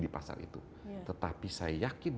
di pasar itu tetapi saya yakin